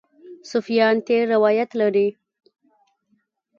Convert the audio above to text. صوفیان تېر روایت لري.